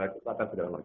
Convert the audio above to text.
kita akan sederhana